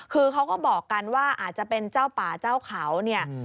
คือเขาก็บอกกันว่าอาจจะเป็นเจ้าป่าเจ้าเขาเนี่ย